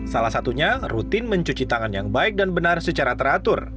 salah satunya rutin mencuci tangan yang baik dan benar secara teratur